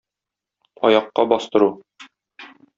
Аякка бастыру.